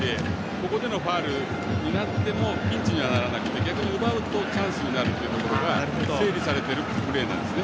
ここでのファウルになってもピンチにはならなくて逆に奪うとチャンスになるというところが整理されているプレーなんですね。